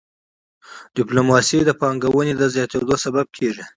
ډيپلوماسي د پانګوني د زیاتيدو سبب کېږي.